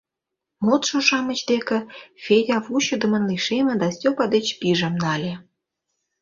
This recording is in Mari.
Модшо-шамыч деке Федя вучыдымын лишеме да Стёпа деч пижым нале.